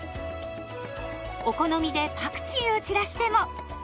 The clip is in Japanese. お好みでパクチーを散らしても！